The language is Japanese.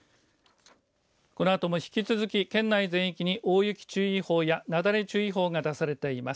このあとも引き続き県内全域に大雪注意報や雪崩注意報が出されています。